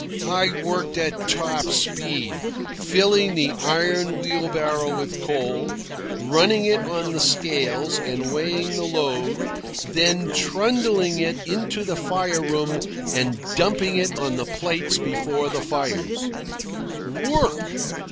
I worked at top speed, filling the iron wheelbarrow with coal, running it on the scales and weighing the load, then trundling it into the fire room and dumping it on the plates before the fires. Work!